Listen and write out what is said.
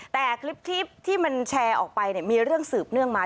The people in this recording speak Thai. แต่คลิปที่มันแชร์ออกไปมีเรื่องสืบเนื่องมา